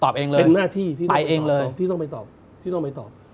เป็นหน้าที่ที่ต้องไปตอบ